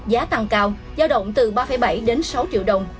giá tăng cao giao động từ ba bảy đến sáu triệu đồng